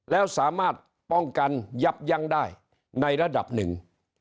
แล้วสามารถป้องกันยับยั้งได้ในระดับหนึ่ง